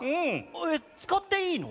えっつかっていいの？